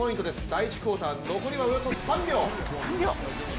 第１クオーター残りはおよそ３秒。